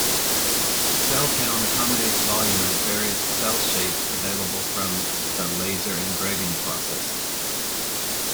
Cell count accommodates volume at various cell shapes available from the laser engraving process.